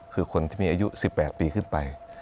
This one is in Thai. คือคนที่มีอายุ๑๘ปีขึ้นไป